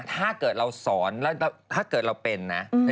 ถ้าเกิดเราสอนแล้วถ้าเกิดเราเป็นนะ